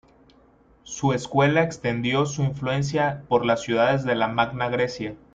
Su escuela extendió su influencia por las ciudades de la Magna Grecia.